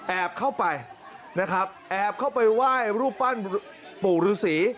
เข้าไปนะครับแอบเข้าไปไหว้รูปปั้นปู่ฤษี